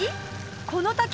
この滝